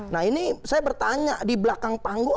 nah ini saya bertanya di belakang panggung